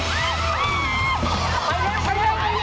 เกมรับจำนำ